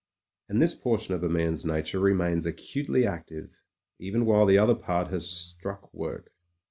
And this portion of a man's nature remains acutely active, even while the other part has struck work.